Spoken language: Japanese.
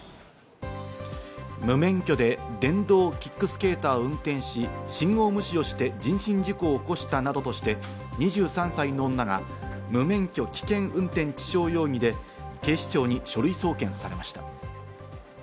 無免許で電動キックスケーターを運転し信号無視をして人身事故を起こしたなどとして、２３歳の女が無免許危険運転致傷容疑で警視庁に書類送検されました。